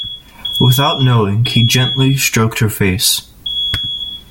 Without knowing, he gently stroked her face.